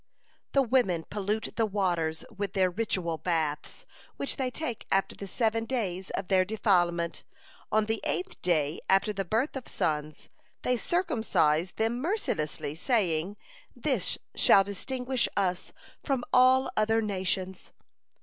"The women pollute the waters with their ritual baths, which they take after the seven days of their defilement. On the eighth day after the birth of sons, they circumcise them mercilessly, saying, 'This shall distinguish us from all other nations.'